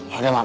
ya udah mak